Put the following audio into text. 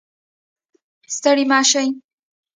ستړی مه شې